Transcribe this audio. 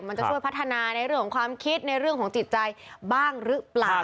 มันจะช่วยพัฒนาในเรื่องของความคิดในเรื่องของจิตใจบ้างหรือเปล่า